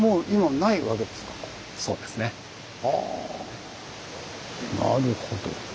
なるほど。